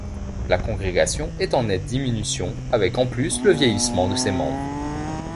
La congrégation est en nette diminution avec en plus le vieillissement de ses membres.